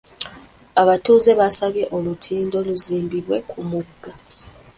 Abatuuze baasabye olutindo luzimbibwe ku mugga.